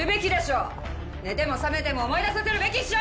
寝ても覚めても思い出させるべきっしょ！